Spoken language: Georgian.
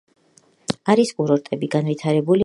არის კურორტები, განვითარებულია ტურიზმი.